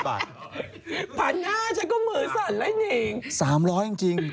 ๓๐๐บาทจริง